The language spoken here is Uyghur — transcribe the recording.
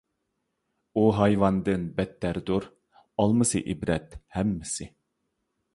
ئۇ ھايۋاندىن بەتتەردۇر، ئالمىسا ئىبرەت ھەممىسى.